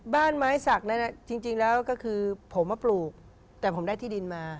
บ้านไม้สักนั้นจริงแล้วก็คือผมมาปลูกแต่ผมได้ที่ดินมา